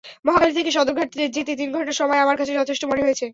মহাখালী থেকে সদরঘাট যেতে তিন ঘণ্টা সময় আমার কাছে যথেষ্ট মনে হয়েছে।